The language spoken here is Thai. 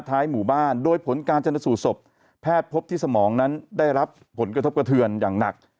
หมู่บ้านโดยผลการชนสูตรศพแพทย์พบที่สมองนั้นได้รับผลกระทบกระเทือนอย่างหนัก